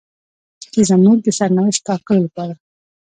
چې زموږ د سرنوشت ټاکلو لپاره.